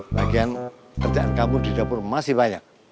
bagian kerjaan kamu di dapur masih banyak